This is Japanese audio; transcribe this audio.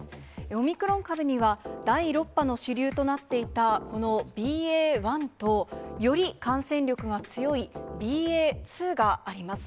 オミクロン株には、第６波の主流となっていたこのＢＡ．１とより感染力が強いＢＡ．２があります。